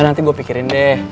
nanti gue pikirin deh